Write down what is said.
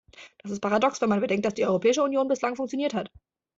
Das ist paradox, wenn man bedenkt, wie die Europäische Union bislang funktioniert hat.